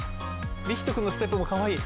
理人くんのステップもかわいい。